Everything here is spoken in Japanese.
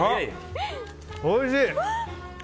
おいしい！